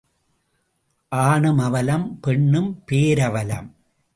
ஆணும் அவலம் பெண்ணும் பேரவலம்.